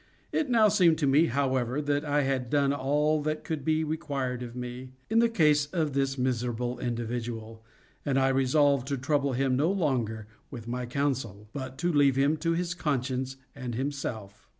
It now seemed to me, however, that I had done all that could be required of me, in the case of this miserable individual, and I resolved to trouble him no longer with my counsel, but to leave him to his conscience and himself.